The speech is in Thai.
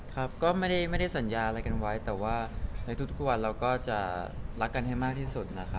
ครับก็ไม่ได้สัญญาอะไรกันไว้แต่ว่าในทุกวันเราก็จะรักกันให้มากที่สุดนะครับ